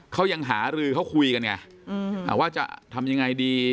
เขายังหารือเขาคุยกันไงว่าจะทำยังไงดี